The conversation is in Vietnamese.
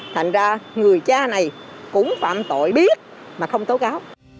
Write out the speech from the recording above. thành ra người cha này cũng phạm tội biết mà không tố cáo